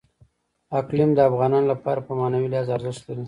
اقلیم د افغانانو لپاره په معنوي لحاظ ارزښت لري.